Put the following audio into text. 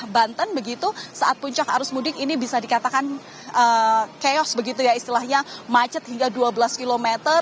dan begitu saat puncak arus mudik ini bisa dikatakan chaos begitu ya istilahnya macet hingga dua belas km